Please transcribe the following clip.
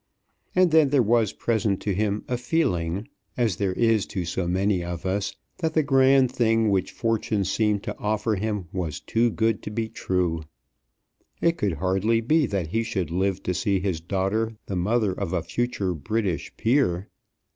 And then there was present to him a feeling, as there is to so many of us, that the grand thing which Fortune seemed to offer him was too good to be true. It could hardly be that he should live to see his daughter the mother of a future British peer!